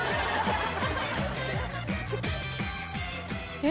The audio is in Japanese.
えっ？